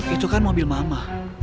itu kan mobil mama